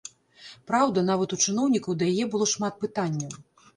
Праўда, нават у чыноўнікаў да яе было шмат пытанняў.